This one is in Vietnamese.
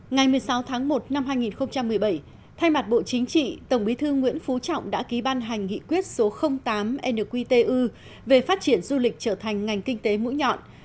ngày một mươi sáu tháng một năm hai nghìn một mươi bảy thay mặt bộ chính trị tổng bí thư nguyễn phú trọng đã ký ban hành nghị quyết số tám nqtu về phát triển du lịch trở thành ngành kinh tế mũi nhọn